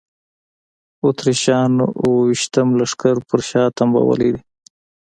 اتریشیانو اوه ویشتم لښکر په شا تنبولی دی.